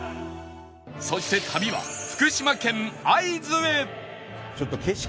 そして旅は福島県会津へ